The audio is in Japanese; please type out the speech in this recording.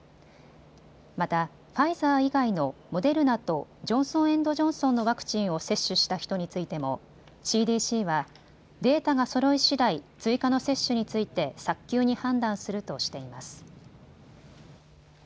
また、ファイザー以外のモデルナとジョンソン・エンド・ジョンソンのワクチンを接種した人についてもＣＤＣはデータがそろいしだい、追加の接種について早急に判断するとしています。